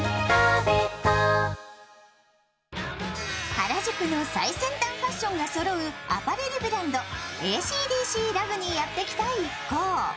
原宿の最先端ファッションがそろうアパレルブランドＡＣＤＣＲＡＧにやってきた一行。